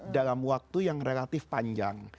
dalam waktu yang relatif panjang